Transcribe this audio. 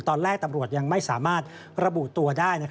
ตอนแรกตำรวจยังไม่สามารถระบุตัวได้